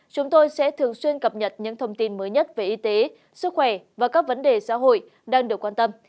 chúng tôi sẽ thường xuyên cập nhật những thông tin mới nhất về y tế sức khỏe và các vấn đề xã hội đang được quan tâm